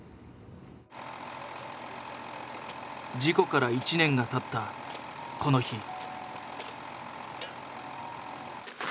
事故から１年がたったこの日。